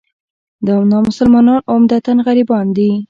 دا نامسلمانان عمدتاً غربیان دي.